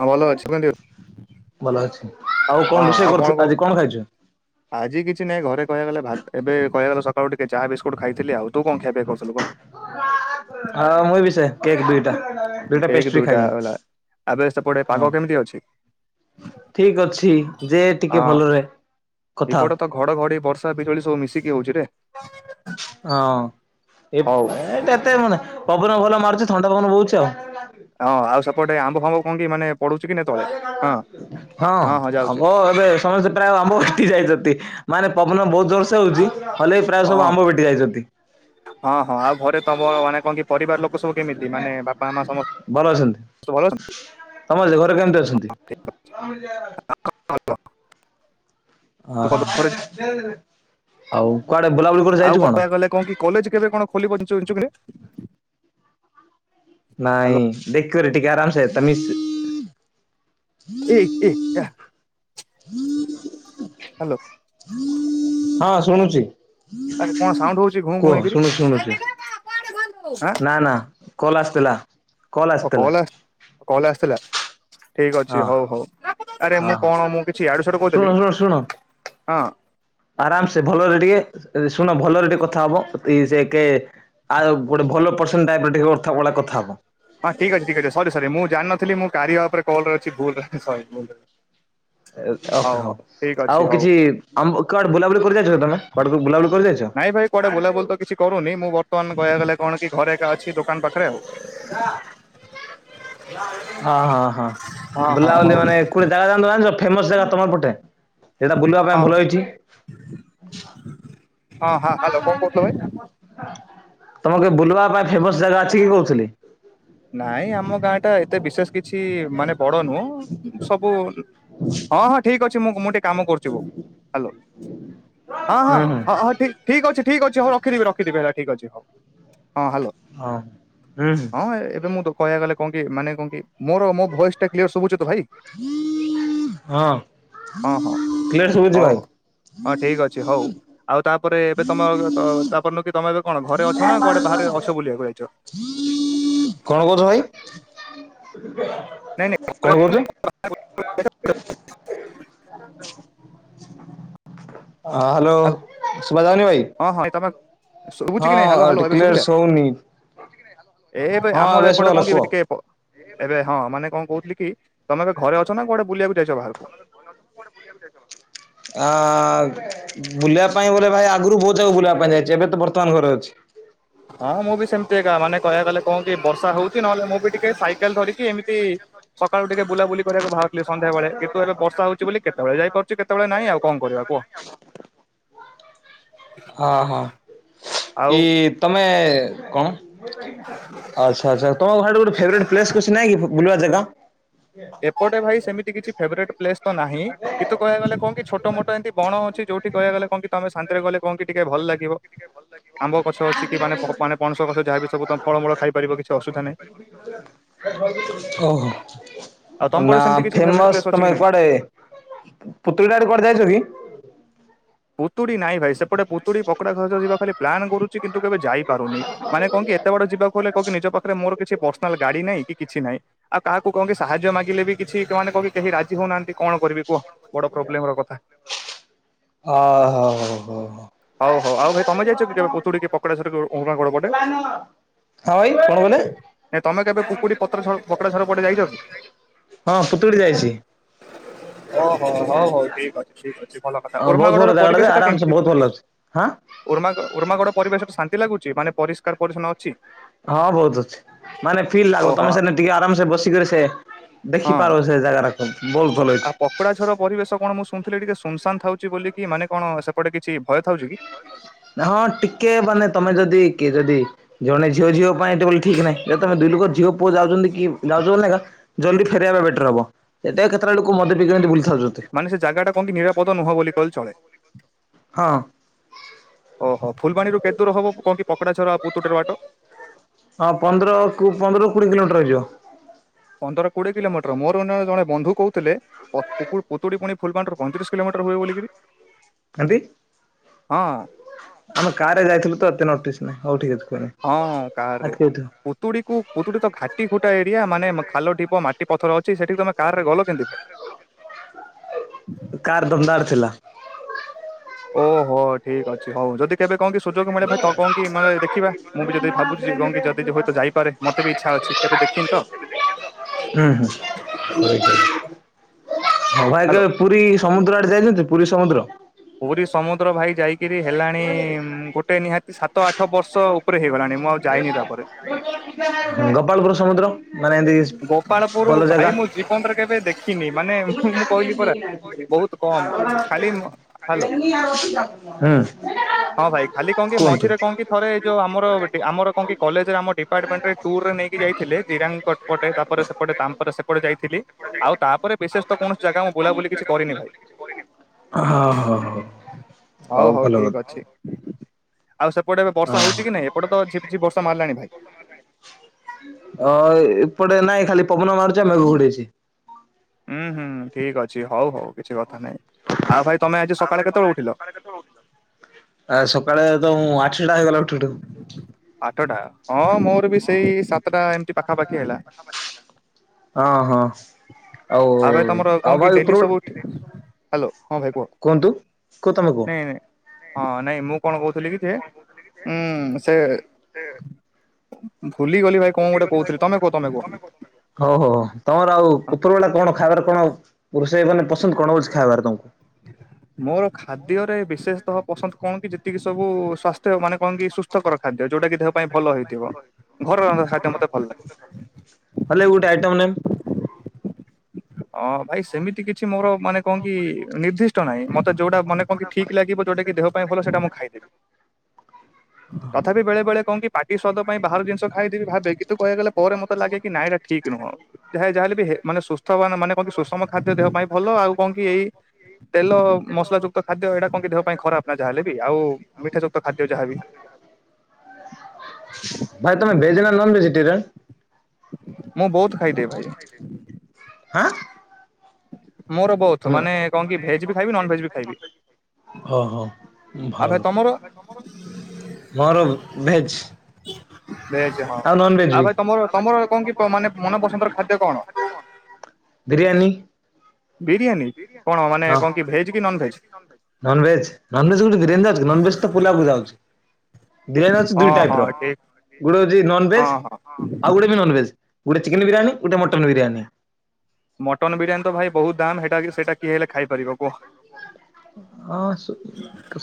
ହଁ ଭଲ ଅଛି କୁହନ୍ତୁ। ଭଲ ଅଛି ଆଉ କଣ ହଁ ରୋଷେଇ ଆଉ କରୁ କଣ କହ ଆଜି ଖାଇଛୁ? ଆଜି କିଛି ନାହିଁ ଘରେ କହିବାକୁ ଗଲେ ଭାତ ଏବେ କହିବାକୁ ଗଲେ ସକାଳୁ ଟିକେ ଚାହା ବିସ୍କୁଟ ଖାଇଥିଲ ଆଉ। ତୁ କଣ ଖିଆ ପିଆ କରିଥିଲୁ କହ? ହଁ ମୁଇଁ ବି ସେଇ କେକ୍ ଦିଇଟା। ଦୁଇଟା କେକ୍ ପେଷ୍ଟ୍ରି ଖାଇଲି ହେଲା ଆବେ ସେପଟେ ହଁ। ପାଗ କେମିତି ଅଛି? ଠିକ ଅଛି। ଯେ ଟିକେ ହଁ ଭଲରେ କଥା ଏପଟେ ତ ଘଡଘଡି ବର୍ଷା ବିଜୁଳି ସବୁ ମିଶିକି ହଉଛିରେ। ହଁ ଏ ହଉ ଏଟା ଏତେ ମାନେ ପବନ ଭଲ ମାରୁଛି ଥଣ୍ଡା ପବନ ବହୁଛି ଆଉ। ହଁ ଆଉ ସେପଟେ ଆମ୍ବ ଫାମ୍ୱ କଣ କି ମାନେ ପଡୁଛି କି ନାଇ ତଳେ ହଁ ହଁ ଆମ୍ୱ ଏବେ ସମସ୍ତେ ପ୍ରାୟ ଆମ୍ବ ଆଣି ଯାଇଛନ୍ତି। ମାନେ ପବନ ବହୁତ ଜୋରସେ ହୋଉଛି ହଲେ ପ୍ରାୟ ହଁ ସବୁ ଆମ୍ବ ପିଟି ଯାଇଛନ୍ତି। ହଁ ହଁ ଆଉ ଘରେ ତମର ମାନେ ଆପଣଙ୍କ ପରିବାର ଲୋକ ସବୁ କେମିତି ମାନେ ବାପା ମା ସମସ୍ତେ ଭଲ ଅଛନ୍ତି? ତମ ଜ୍ ଘରେ କେମିତି ଅଛନ୍ତି? [inaudible] ସୁଖ ଓହ ଦୁଃଖରେ। ଆଉ କୁଆଡେ ବୁଲାବୁଲି କରି ଆଉ ଯାଇଛୁ କଣ? କହିବାକୁ ଗଲେ କି କଲେଜ କେବେ କଣ ଖୋଲିବ ଜାଣିଛୁ କିରେ? ହ୍ୟାଲୋ ନାଇଁ ଦେଖିବରେ ଟିକେ ଆରାମସେ ତା ମିସ [unintelligible] ହ୍ୟାଲୋ। ହଁ ଶୁଣୁଛି। ଆରେ କଣ ସାଉଣ୍ଡ ହଉଛି ଘୁଁ ଘୁଁ କୁହ ହେଇକିରି? ଶୁଣୁଛି ଶୁଣୁଛୁ ଆଁ ନା ନା କଲ ଆସିଥିଲା। କଲ୍ ଓ ଆସିଥିଲା କଲ ଆସ କଲ ଆସିଥିଲା। ଠିକ ହଁ ଅଛି। ହୋଉ ହୋଉ ଆରେ ହଁ ମୁଁ କଣ ମୁଁ କିଛି ୟାଡୁ ସିଆଡ କହୁଥିଲି କି? ହଁ। ଆରାମ ସେ ଭଲରେ ଟିକେ ଶୁଣ ଭଲରେ ଟିକେ କଥା ହବ ତି ସେ କେ ଆଉ ଗୋଟେ ଭଲ ପର୍ଶେଣ୍ଟ ଟାଇପର ଟିକେ ଅର୍ଥ ଭଳେ କଥା ହବ। ହଁ ଠିକ୍ ଅଛି ଠିକ ଅଛି ସରି ସରି ମୁଁ ଜାଣିନଥିଲି କାରିିଆ ଉପରେ କଲରେ ଅଛି ଭୁଲରେ ସରି। ଏ ଓ ହଉ ଠିକ୍ ଅଛି ଆଉ ହଉ। କିଛି ଆମ କୁଆଡେ ବୁଲାବୁଲି କରି ଯାଇଛ ତମେ କୁଆଡେ ବୁଲାବୁଲି କରିଯାଇଛ? ନାଇଁ ଭାଇ କୁଆଡେ ବୁଲାବୁଲି ତ କିଛି କରୁନି ମୁଁ ବର୍ତ୍ତମାନ କହିବାକୁ ଗଲେ କଣ କି ଘରେ ଏକା ଅଛି ଦୋକାନ ପାଖରେ ଆଉ। ହଁ ହଁ ହଁ। ହଁ ହଉ ବୁଲାବୁଲି ମାନେ କୋଟେ ଜାଗା ଯାଆନ୍ତୁ ଫେମସ ଜାଗା ତମର ପଟେ ସେଇଟା ବୁଲିବା ପାଇଁ ହଁ ଭଲ ହେଇଛି। ହଁ ହଁ ହ୍ୟାଲୋ କଣ କହୁଥିଲ ଭାଇ? ତମକେ ବୁଲବା ପାଇଁ ଫେମସ ଜାଗା ଅଛିକି କହୁଥିଲି। ନାଇଁ ଆମ ଗାଁ ଟା ଏତେ ବିଶେଷ କିଛି ମାନେ ବଡ ନୁହଁ ସବୁ ହଁ ହଁ ଠିକ ଅଛି ମୁଁ ମୁଁ ଟିକେ କାମ କରୁଛି ଗୋ ହ୍ୟାଲୋ ହଁ ହଁ ହୁଁ ହୁଁ। ହଁ ହଁ ଠିକ ଠିକ୍ ଅଛି ଠିକ୍ ଅଛି ହଉ ରଖିଦେବି ରଖିଦେବି ହେଲା ଠିକ ଅଛି ହଉ ହଁ ହାଲୋ। ହଁ ହୁଁ ହୁଁ ହଁ ଏବେ ମୁଁ କହିଆକୁ ଗଲେ କଣ କି ମାନେ କଣକି ମୋର ମୋ ଭଏସ ଟା କ୍ଲିୟର ଶୁଭୁଚି ତ ଭାଇ। ହଁ ହଁ ହଁ କ୍ଲିୟର ଶୁଭୁଛି ହଉ ଭାଇ। ହଉ ହଁ ଠିକ ଅଛି ହଉ ଆଉ ତାପରେ ଏବେ ତମ ତାପରଦିନ କି ତମେ କଣ ଘରେ ଅଛ ନା କୁଆଡେ ବାହାରେ ଅଛ ବୁଲିବାକୁ ଯାଇଚ। [inaudible] କଣ କହୁଥିଲ ଭାଇ। ନାଇଁ ନାଇଁ [inaudible] ଘରେ କଣ କରୁଚ? [inaudible] [inaudible] ହଁ ହାଲୋ ସୁଭାଯାଉନି ଭାଇ। ହଁ ହଁ ଏ ତମ ସୁବୁଚିକି ନାଇଁ ହାଲୋ ହାଲୋ ହଁ କ୍ଲିୟର ଶୁଭିଲା। ଶୁଭୁନି ଏ ଏବେ ହଁ ଆମର ଏପଟେ ଶୁଭାଗଲା କ କିି ଏବେ କୁହ। ଟିକେ ଏବେ ହଁ ମାନେ କଣ କହୁଥିଲି କି ତମେ ଏବେ ଘରେ ଅଛ ନା କୁଆଡେ ବୁଲିବାକୁ ଯାଇଚ ବାହାରକୁ। ଆ ବୁଲିବା ପାଏଁ ବୋଲେ ବୁଲିବା ଭାଇ ଆଗରୁ ବହୁତ ଜାଗକୁ ବୁଲିବା ପାଏଁ ଯାଇଛି ଏବେ ତ ବର୍ତ୍ତମାନ ଘରେ ଅଛି। ହଁ ମୁଁ ବି ସେମିତି ଏକା ମାନେ କହିବାକୁ ଗଲେ କଣ କି ବର୍ଷା ହଉଚି ନହେଲେ ମୁଁ ବି ଟିକେ ସାଇକେଲ ଧରିକି ଏମିତି ସକାଳୁ ଟିକେ ବୁଲାବୁଲି କରିବାକୁ ବାହାରୁଥିଲି ସନ୍ଧ୍ୟାବେଳେ କିନ୍ତୁ ଏବେ ବର୍ଷା ହଉଚି ବୋଲି କେତେ କେତେବେଳେ ଯାଇ ପାରୁଚି କେତେବେଳେ ନାାଇଁ ଆଉ କଣ କରିବା କୁହ। ହଁ ହଁ ଆଉ ଇ ତମେ କଣ? ଆଛା ଆଛା ତମ ଗାଁ ଟି ଗୋଟେ ଫେବ୍ରେଟ ପ୍ଲେସ କିଛି ନାଇଁ କି ବୁଲିବା ଜାଗା। ଏପଟେ ଭାଇ ସେମିତି କିଛି ଫେବରେଟ୍ ପ୍ଲେସ୍ ତ ନାହିଁ। କିନ୍ତୁ କହିଆକୁ ଗଲେ କଣକି ଛୋଟ ମୋଟ ଏମତି ବଣ ଅଛି। ଯୋଉଠି କହିବା ଗଲେ କଣକି ତମେ ଶାନ୍ତିରେ ଗଲେ କଣକି ଟିକେ ଭଲ ଲାଗିବ। ଆମ୍ବ ଗଛ ଅଛି କି ମାନେ ମାନେ ପଣସ ଗଛ ଯାହାବି ସବୁ ତମ ଫଳମୂଳ ଖାଇ ପାରିବ କିଛି ଅସୁବିଧା ନାହିଁ। ଓହୋ ଆଉ ତମ ପଟେ ନା ସେମିତି କିଛି ଫେବରେଟ ପ୍ଲେସ ଫେମସ ଅଛି କି ତମେ ନାଇଁ? କୁଆଡେ ପୁତୁଳି ଆଡ଼େ କୁଆଡେ ଯାଇଛ କି? ପୁତୁଡ଼ି ନାଇଁ ଭାଇ ସେପଟେ ପୁତୁଡ଼ି ପକଡା ଖଚ ଯିବା ଖାଲି ପ୍ଲାନ୍ କରୁଛି କିନ୍ତୁ କେବେ ଯାଇ ପାରୁନି ମାନେ କଣକି ଏତେ ବାଟ ଯିବାକୁ ହେଲେ କଣକି ନିଜ ପାଖରେ ମୋର କିଛି ପର୍ସନାଲ ଗାଡି ନାଇଁ କି କିଛି ନାହିଁ। ଆଉ କାହାକୁ କକିି ସାହାଯ୍ୟ ମାଗିଲେ ବି କିଛି ସେମାନେ କହ କେହି ରାଜି ହଉନାହାନ୍ତି। କଣ କରିବି କୁହ ବଡ଼ ପ୍ରୋବ୍ଲେମର କଥା। ଆ ହୋ ହୋଉ ହୋଉ ହୋଉ ହଉ ହଉ ଆଉ ଭାଇ ତମେ ଯାଇଛ ପୁତୁିକ କି ପକଡେ ଝର [inaudible] ପଟେ ହଁ ଭାଇ କଣ କହିଲେ [inaudible] ନାଇଁ ତମେ କେବେ ପୁକୁଡି ପତ୍ର ଝର ପକଡା ଝର ପଟେ ଯାଇଛ କି? ହଁ ପୁତୁଡି ଯାଇଛି। ଓହୋ ହଉ ହଉ ଠିକ ଅଛି ଠିକ ଅଛି ଭଲ କଥା। ହଁ ବହୁତ ଭଲ ଉର୍ମାଗଡ଼ର ଜାଗାଟା ଯେ ପରିବେଶଟା ଆରାମସେ କେମିତି ବହୁତ ଭଲ ଅଛି। ହଁ ଉ ଉର୍ମାଗଡ଼। ପରିବେଶରେ ଶାନ୍ତି ଲାଗୁଛି ମାନେ ପରିଷ୍କାର ପରି୍ଛନ୍ନ ଅଛି। ହଁ ବହୁତ ଅଛି ମାନେ ଫିଲ୍ ଲାଗ ଓହୋ ତମେ ସେନ ଟିକେ ଆରାମସ ବସିକରି ସେ ଦେଖି ହଁ। ପାର ସେ ଜାଗା ଟାକୁ ବୋହ ଆଉ ପକୋଡା ଝର ପରିବେଶ କଣ ମୁଁ ଶୁଣିଥିଲି ଟିକେ ସୁନସାନ ଥାଉଛି ବୋଲିକି ମାନେ କଣ ସେପଟେ କିଛି ଭୟ ଥାଉଛି କି? ହଁ ଟିକେ ମାନେ ତମେ ଯଦି କିଏ ଯଦି ଜଣେ ଝିଅ ଝିଅ ପାଇଁ ଏତେବେ ଠିକ ନାହିଁ ଯେ ତମେ ଦୁଇ ଲୋକ ଝଅୁ ପୁଅ ଯାଉଚନ୍ତିକି ଯାଉଛନ୍ତି ନା ଜଲ୍ଦି ଫେରବା ବେଟର ହବ ଏତ କେତେଟା ଲୋକ ମଦେିକ କେମିତି ବୁଲି ଥାଉଛନ୍ତି। ମାନେ ସେ ଜାଗା ଟା କନକି ନିରାପଦ ନୁହଁ ବୋଲି କହଲେ ଚଳେ। ହଁ ଓହୋ ଫୁଲବାଣରୁ କେତେୂର ହବ କଣ କି ପକଡାଝର ଆଉ ପୁତୁଡିର ବାଟ? ହଁ ପନ୍ଦର କ ପନ୍ଦରରୁ କୋଡିଏ କିଲୋମିଟର ହେଇଯିବ। ପନ୍ଦର କୋଡିଏ କିଲୋମିଟର ମୋର ଜଣେ ବନ୍ଧୁ କହୁଥିଲେ। [inaudible] ଫୁତୁଡ଼ି ପୁଣି ଫଲଗଣର ପଇଁରିଶ କିଲୋିଟର ହୁ ବୋିଲକରି। ଆଦି ହଁ। ଆମ କାର ରେ ଯାଇ ଥିଲୁ ତ ଏତେ ନଟିସ୍ ନାଇଁ ହଉ ଠିକ ଅଛି କୁହ ହଁ କାରରେ ପୁତୁଡ଼ି କୁ ପୁତୁଡ଼ି ତ ଘାଟି ଖୁଟା ଏରିଆ ମାନେ ଖଲ ଢିପ ମାଟି ପଥର ଅଛି ସେଠି ତମେ କାର ରେ ଗଲ କେମିତି ଭାଇ‌। କାର ଦମଦାର ଥିଲା। ଓହୋ ଠିକ ଅଛି ହଉ ଯଦି କେବେ କଣ କି ସୁଯୋଗ ମିଳେ ଭାଇ ତ କଣ କି ମାନେ ଦେଖିବା ମୁଁ ବି ଯଦି ଭାବଛି କଣ କି ଯଦିୁ ହୁଏତ ଯାଇପାରେ ମୋତେ ବି ଇଚ୍ଛା ଅଛି କେବେ ଦେଖିନି ତ। ହୁଁ ହୁଁ ହଁ ଭାଇ ହ୍ୟାଲୋ କେବେ ପୁରୀ ସମୁଦ୍ର ଆଡେ ଯାଇଛନ୍ତି ପୁରୀ ସମୁଦ୍ର। ପୁରୀ ସମୁଦ୍ର ଭାଇ ଯାଇକିରି ହେଲାଣି ଗୋଟେ ନିହାତି ସାତ ଆଠ ବର୍ଷ ଉପରେ ହେଇଗଲାଣି। ମୁଁ ଆଉ ଯାଇନି ତାପରେ ଗୋପାଳପୁର ସମୁଦ୍ର ମାନେ ଏମତି ଗୋପାଳପୁର ଭଲ ଭାଇ ଜାଗା। ମୁଁ ହୁଁ ଜୀବନରେ କେବେ ଦେଖିନି ମାନେ ମୁ ମୁଁ କହିଲି ପରା ବହୁତ କମ୍ ଖାଲି ହ୍ୟାଲୋ ହଁ ଭାଇ ଖାଲି କଣ କି କୁହନ୍ତୁ ମଝିରେ କଣ କି ଥରେ ଯଉ ଆମର ଆମର କଣ କି କଲେଜରେ ଆମ ଡିପାର୍ଟମେଣ୍ଟ ରେ ଟୁୁରରେ ନେଇକି ଯାଇଥିଲେ ଜିରାଙ୍ଗ ସେପଟେ ତାପରେ ସେପଟେ ତାପରେ ସେପଟେ ଯାଇଥିଲି। ଆଉ ତାପରେ ବିଶେଷ ତ କୌଣସି ଜାଗା ମୁଁ ବୁଲାବୁଲି କିଛି କରିନି ଭାଇ। ହଁ ହଁ ହଁ ହଉ ଭଲ କ। ଆଉ ସେପଟେ ଏବେ ବର୍ଷା ହଁ। ହଉଛି କି ନାଇ ଏପଟେ ତ ଝିପ ଝିପ ବର୍ଷା ମାରିଲାଣି ଭାଇ। ଅ ଏପଟେ ନାଇଁ ଖାଲି ପବନ ମାରୁଛ ଆଊ ମେଘ ଘୁଡେଇଛି। ହୁଁ ହୁଁ ଠିକ ଅଛି ହଉ ହଉ କିଛି କଥା ନାହିଁ ଆଉ ଭାଇ ତମେ ଆଜି ସକାଳେ କେତେବେଳେ ଉଠିଲ। ଆ ସକାଳେ ତ ଆଠଟା ହେଇଗଲା ଉଠୁ ଉଠୁ। ଆଠଟା ହଁ ମୋର ବି ସେଇ ସାତଟା ଏମିତି ପାଖାପାଖି ହେଲା। ହଁ ହଁ ଆଉ ଭାଇ ତମର ଆଉ କଣ କି ଭାଇ ଡେଲି ଉପର ସବୁ ଉଠି ହ୍ୟାଲୋ ହଁ ଭାଇ କୁହ। କୁହନ୍ତୁ କୁହ ତମେ କୁହ ନାଇଁ ନାଇଁ ହଁ ନାଇଁ ମୁଁ କଣ କହୁଥିଲି କି ଯେ ଉଁ ସେ ହୁଁ ଭୁଲିଗଲି ଭାଇ କଣ ଗୋଟେ କହୁଥିଲି ତମେ କୁହ ତମେ କୁହ। ହଉ ହୋ ତମର ଆଉ ଉପପର ବଳା କଣ ଖାଇବାର କଣ ରୋଷେଇ ମାନେ ପସନ୍ଦ କଣ ହଉଛି ଖାଇବାର ତମକୁ। ମୋର ଖାଦ୍ୟରେ ବିଶେଷତଃ ପସନ୍ଦ କଣ କି ଯେତିକି ସବୁ ସ୍ୱାସ୍ଥ୍ୟ ମାନେ କଣ କି ସୁସ୍ଥକର ଖାଦ୍ୟ ଯୋଉଟା କି ଦେହ ପାଇଁ ଭଲ ହେଇଥିବ। ଘର ରନ୍ଧା ଖାଦ୍ୟ ମତେ ଭଲ ଲାଗେ। ହେଲେ ଗୋଟେ ଆଇଟମ ନେମ୍ ଅଁ ଭାଇ ସେମିତି କିଛି ମୋର ମାନେ କଣ କି ନିର୍ଦ୍ଦିଷ୍ଟ ନାହିଁ ମତେ ଯୋଉଟା ମେ କ କି ଠିକ୍ ଲାଗିବ ଜଉଟା କି ଦେହ ପାଇଁ ଭଲ ସେଟା ମୁଁ ଖାଇଦେବି। ତଥାପୀ ବେଳେ କଣ କି ପାଟି ସ୍ୱାଦ ପାଇଁ ବାହାର ଜିନିଷ ଖାଇଦେବି ଭାବେ କିନ୍ତୁ କହିବାକୁ ଗଲେ ପରେ ମତେ ଲାଗେ କି ନାଇଁ ଠିକ ନୁହଁ ଯାେ ଯାହାେଲେ ବି ମନେ ସୁ ଥ ମାନେ କଣ କି ସୁଷମ ଖାଦ୍ୟ ଦେହ ପାଇଁ ଭଲ ଆଉ କଣ କି ଏଇ ତେଲ ମସଲା ଯୋ ତ ଖାଦ୍ୟ ଏଇଟା କଣ କି ଦେହ ପାଇଁ ଖରାପ ନା ଯହାଲେ ବି ଆଉ ମିଠା ଯୁକ୍ତ ଖାଦ୍ୟ ଯାହା ବି। ଭାଇ ତେ ଭେଜ ନା ନନ ଭେଜିଟେରିୟାନ। ମୁଁ ବହୁତ ଖାଇଦିଏ ଭାଇ ଆ--ଁ ମୋର ବଥ ମାନେ କଣ କି ଭେଜ ବି ଖାଇବି ନନ ଭେଜ ବି ଖାଇବି। ଓ ହୋ ଆଉ ଭଲ ଭାଇ ତମର ମୋର ବ ଭେଜ। ଭେଜ ହଁ ଆଉ ନନ ଭେଜ ଆଉ ବି ଭାଇ ତମର ତମର କଣ କି ମାନେ ମନ ପସନ୍ଦର ଖାଦ୍ୟ କଣ? ବିରିୟାନୀ। ବିରିୟାନୀ କଣ ମାନେ କଣ କି ଭେଜ୍ କି ନନ ଭେଜ୍? ନନ ଭେଜ କଣ ବିରିୟାନୀରେ ଯାଉଛି ନନ ଭେଜ ଟା ପୁଲାକୁୁ ଯାଉଛି। ବିରିୟାନୀ ହଉଛି ହଁ ଦୁଇ ଟାଇପ ହଁ ର ଠିକ ଗୋଟେ ହଉଛି ନନ ହଁ ଭେଜ ହଁ ଆଉ ଗୋଟେ ମୁଁ ନନ୍ ଭେଜ ଗୋଟେ ଚିକେନ ବିରିୟାନୀ ଗୋଟେ ମଟନ୍ ବିରିୟାନୀ। ମଟନ ବିରିୟାନୀ ତ ଭାଇ ବହୁତ ଦାମ୍ ହେଟା କି ସେଟା କିଏ ହେଲେ ଖାଇପାରିବ କୁହ? ହଁ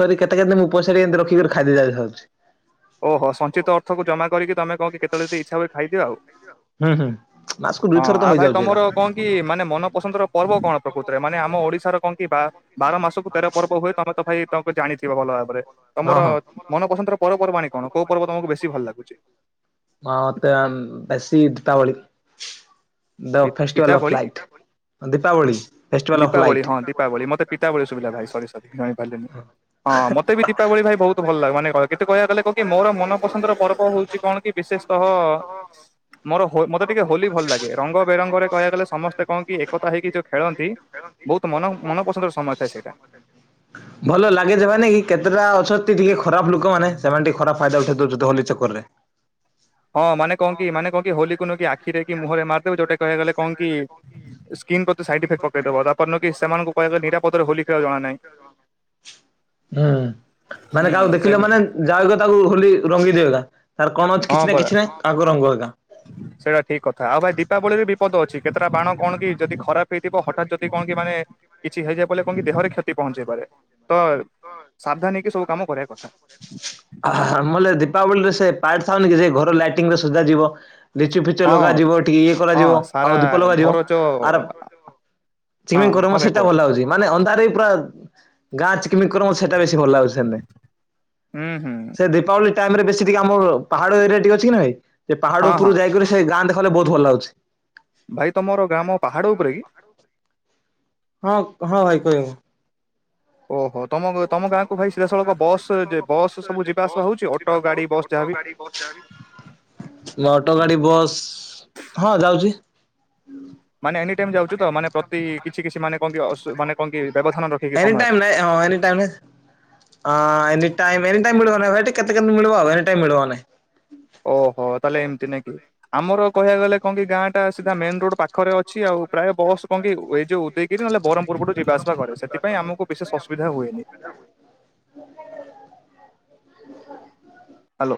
ସରି କେତେ କେତେ ମୁଁ ପଇସାରେ କେମତି ରଖିକ ଖାଇଦେବି ଯାଉଚି। ଓହୋ ସଞ୍ଚିତ ଅର୍ଥକୁ ଜମା କରିକି ତମେ କଣ କି କେତେବେଳେ ଯଦି ଇଚ୍ଛା ହୁଏ ଖାଇଦିଅ ଆଉ। ହୁଁ ହୁଁ ମାସକୁ ହଁ ଦୁଇଥର ତ ଆଉ ଭାଇ ହେଇଯାଉଛି ତମର ଏରା। କଣ କି ମାନେ ମନ ପସନ୍ଦ ର ପର୍ବ କଣ ପ୍ରକୃତରେ ମାନେ ଆମ ଓଡିଶାର କଣ କି ବା ବାର ମାସକୁ ତେର ପର୍ବ ହୁଏ ତମେ ତ ଭାଇ ତମ ଜାଣିଥିବ ଭଲ ଭାବରେ। ହଁ ତମର ହଁ ମନ ପସନ୍ଦର ପର୍ବପର୍ବାଣି କଣ କୋଉ ପର୍ବ ତମକୁ ବେଶୀ ଭଲ ଲାଗୁଛି? ହଁ ମତେ ବେଶୀ ଦୀପାବଳି ଦ ଫେଷ୍ଟିଭାଲ ଅଫ ପିତାବଳି ଲାଇଟ। ଦୀପାବଳି ହଁ ଦୀପାବଳି ମତେ ପିତାବଳି ସୁବିଲା ଭାଇ ସରି ସରି ଜାଣି ପାରିଲିନି। ହଁ ମତେ ବି ଦୀପାବଳି ଭାଇ ବହୁତ ଭଲ ଲାଗେ ମାନେ କେତେ କହିବାକୁ ଗଲେ କଣ କି ମୋର ମନପସନ୍ଦର ପର୍ବ ହଉଛି କଣ କି ବିଶେଷ ତହ ମୋର ହୋ ମତେ ଟିକେ ହୋଲି ଭଲ ଲାଗେ। ରଙ୍ଗ ବେରଙ୍ଗ ରେ କହିବାକୁ ଗଲେ ସମସ୍ତେ କଣ କି ଏକତା ହେଇକି ଯୋଉ ଖେଳନ୍ତି ବହୁତ ମନ ମନ-ମନପସନ୍ଦର [unintelligible] ଭଲ ଲାଗେ ଯେ ମାନେ ଏଇ କେତେଟା ଅଛନ୍ତି ଟିକେ ଖରାପ ଲୋକମାନେ ସେମାନେ ଟିକେ ଖରାପ ଫାଇଦା ଉଠେଇ ଦଉଛନ୍ତି ହୋଲି ଚକ୍କରରେ। ହଁ ମାନେ କଣ କି ମାନେ କଣ କି ହୋଲି କୁ ନୁହଁ କି ଆଖିରେ କି ମୁହରେ ମାରିଦେବେ ଯୋଉଟା କହିବାକୁଗଲେ କଣ କି ସ୍କିନ୍ ପ୍ରତି ସାଇଡ ଇଫେକ୍ଟ ପକେଇଦବ ତା ପର ଦିନ କି ସେମାନଙ୍କୁ କହିବା ନିରାପଦରେ ହୋଲି ଖେଳ ଜଣାନାହିଁ। ହୁଁ ମାନେ କାହାକୁ ହୁଁ। ଦେଖିଲେ ସେମିତି ମାନେ ଯାହାକୁ ତାକୁ ହୋଲି ରଙ୍ଗି ଦିଅତା ତାର କଣ ଅ ହଁ କିଛି ନାହିଁ ପରା କିଛି ନାହିଁ କାହାକୁ ରଙ୍ଗ ଏକା। ସେଇଟା ଠିକ କଥା ଆଉ ଭାଇ ଦୀପାବଳିରେ ବିପଦ ଅଛି କେତେଟା ବାଣ କଣ କି ଯଦି ଖରାପ ହେଇଥିବ ହଠାତ୍ ଯଦି କଣ କି ମାନେ କିଛି ହେଇଯାଇ ପରେ କଣକି ଦେହରେ କ୍ଷତି ପହଞ୍ଚେଇ ପାରେ ତ ସାବଧାନ ହେଇକି ସବୁ କାମ କରିବା କଥା। ମୁଁ କହିଲି ଦୀପାବଳିରେ ସେ ପାର୍ଟ ଥାଉନି କି ସେ ଘର ଲାଇଟିଂରେ ସଯା ଯିବ। ଲିଚୁ ଫିଚୁ ହଁ ଲଗାଯିବ ଟିକେ ଇଏ ହଁ କରାଯିବ ସାରା ଆଉ ଦୀପ ଲଗାଯିବ ଘର ଯୋ ଆର୍ ହଁ ଚ କର ହଁ ଭାଇ ସେଟା କୁହ ଭଲ ହଉଛି ମାନେ ଅନ୍ଧାର ବି ପୁରା ଗାଁ [unintelligible] ସେଟା ବେଶୀ ଭଲ ଲାଗୁମ ହୁଁ ହୁଁ ସେ ଦୀପାବଳି ଟାଇମ ରେ ବେଶୀ ଟିକେ ଆମର ପାହାଡ ଏରିଆ ଟିକେ ଅଛି କିନା ଭାଇ ସେ ପାହାଡ ହଁ ଉପରୁ ହଁ ଯାଇକରି ସେ ଗାଁ ଦେଖହେଲେ ବହୁତ ଭଲ ଲାଗୁଛି। ଭାଇ ତମର ଗ୍ରାମ ପାହାଡ ଉପରେ କି? ହଁ ହଁ ଭାଇ କହିମୁ। ଓହୋ ତମ ତମ ଗାଁକୁ ଭାଇ ସିଧାସଳଖ ବସ୍ ବସ୍ ସବୁ ଯିବା ଆସିବା ହଉଛି ଅଟୋ ଗାଡି ବସ୍ ଯାହାବି? ମ ଅଟୋ ଗାଡି ବସ୍ ହଁ ଯାଉଛି। ମାନେ ଏନି ଟାଇମ ଯା ଏନି ଟାଇମ ଅସୁ ମାନେ କଣ କି ବ୍ୟବଧାନ ରଖିକି ସମୟରେ ନାଇଁ ହଁ any time any time any time ମିଳିବନି ଭାଇ କେତେ କେତେ ମିଳିବ ଆଉ ଏନି ଟାଇମ ମିଳିବ ନାଇଁ। ଓହୋ ତାହେଲେ ଏମିତି ନାହିଁକି ଆମର କହିବାକୁ ଗଲେ କଣ କି ଗାଁ ଟା ସିଧା ମେନ ରୋଡ ପାଖରେ ଅଛି ଆଉ ପ୍ରାୟ ବସ୍ କଣ କି ଏଇ ଯୋଉ ଦେଇ କି ନହେଲେ ବ୍ରହ୍ମପୁର ଯିବାଆସିବା କରେ ସେଥିପାଇଁ ଆମକୁ ବିଶେଷ ଅସୁବିଧା ହୁଏନି। ହ୍ୟାଲୋ।